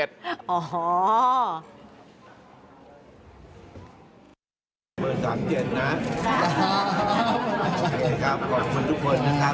โอเคครับขอบคุณทุกคนนะครับ